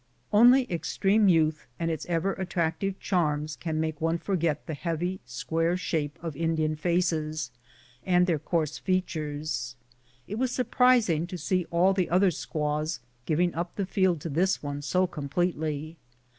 Only extreme youth and its ever attractive charms can make one forget the heavy square shape of Indian faces and their coarse features. It was surprising to see all the other squaws giving up the field to this one so completely.